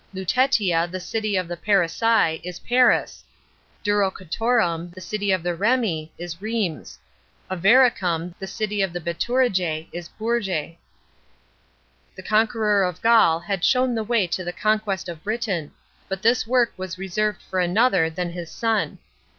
Lutetia, the city of the Parisii, is Paris ; Durocortornm, the city of the Remi, is Rheims ; Avarieum, the city of the Bituriges, is BourgeR. The conqueror of Gaul had shown the way to the conquest of Britain; but this work was reserved for another than his son.